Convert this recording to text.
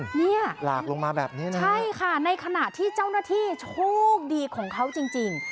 นี่ใช่ค่ะในขณะที่เจ้าหน้าที่โชคดีของเขาจริง